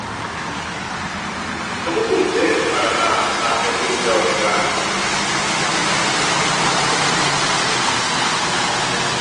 Com ho puc fer per anar a Es Migjorn Gran?